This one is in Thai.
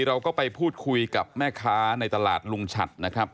เราก็ไปพูดคุยกับแม่ค้าในตลาดลุงฉัดนะครับ